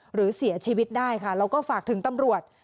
หรือเสียชีวิตได้ค่ะแล้วก็ฝากถึงตำรวจ